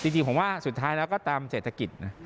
จริงผมว่าสุดท้ายแล้วก็ตามเศรษฐกิจนะ